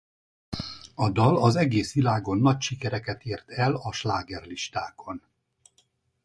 A dal az egész világon nagy sikereket ért el a slágerlistákon.